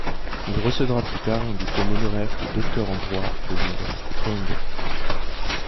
Il recevra plus tard un diplôme honoraire de docteur en droit de l’université Columbia.